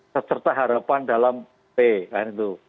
serta harapan dalam p kan itu